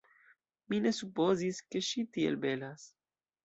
Mi ne supozis, ke ŝi tiel belas.